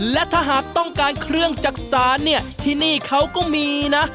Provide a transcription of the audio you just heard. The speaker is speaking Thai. และถ้าหากต้องการเครื่องจักษานเนี่ยที่นี่เขาก็มีนะ